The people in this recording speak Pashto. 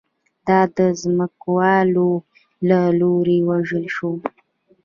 دا د ځمکوالو له لوري ووژل شو